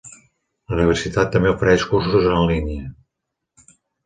La universitat també ofereix cursos en línia.